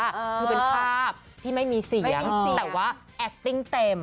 คือเป็นภาพที่ไม่มีเสียงแต่ว่าแอคติ้งเต็ม